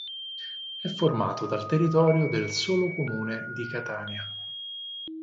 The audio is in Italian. È formato dal territorio del solo comune di Catania.